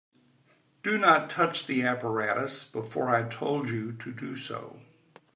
Do not touch the apparatus before I told you to do so.